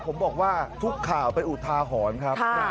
ผมบอกว่าทุกข่าวเป็นอุทาหรณ์ครับ